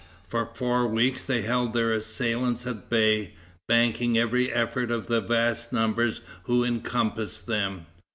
For four weeks they held their assailants at bay, banking every effort of the vast numbers who encompassed them.